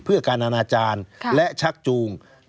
เพื่อการอนาจารย์และชักจูง